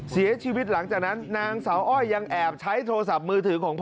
เสียชีวิตหลังจากนั้นนางสาวอ้อยยังแอบใช้โทรศัพท์มือถือของพ่อ